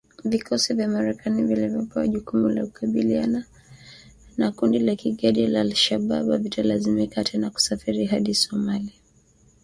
Vikosi vya Marekani vilivyopewa jukumu la kukabiliana na kundi la kigaidi la al-Shabab havitalazimika tena kusafiri hadi Somalia kutoka nchi jirani